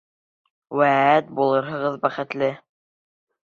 Вәт булырһығыҙ бәхетле!